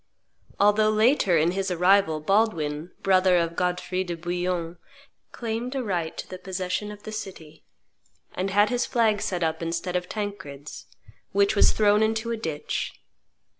Although later in his arrival, Baldwin, brother of Godfrey de Bouillon, claimed a right to the possession of the city, and had his flag set up instead of Tancred's, which was thrown into a ditch.